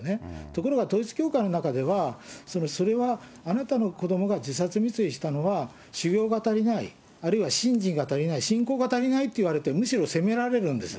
ところが統一教会の中では、それはあなたの子どもが自殺未遂したのは、修行が足りない、あるいは信心が足りない、信仰が足りないって言われて、むしろ責められるんです。